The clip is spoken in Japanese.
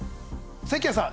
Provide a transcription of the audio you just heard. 関谷さん